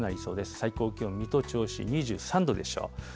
最高気温、水戸、銚子２３度でしょう。